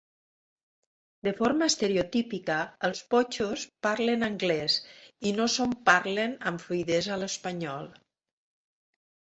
De forma estereotípica, els "pochos" parlen anglès i no són parlen amb fluïdesa l'espanyol.